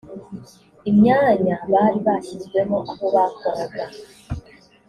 imyanya bari bashyizwemo aho bakoraga